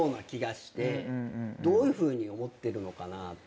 どういうふうに思ってるのかなって。